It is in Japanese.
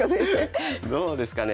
どうですかね。